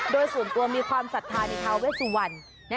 โดยส่วนตัวมีความศรัทธาในท้าเวสวัน